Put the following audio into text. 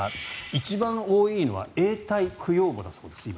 一番多いのは永代供養墓だそうです、今。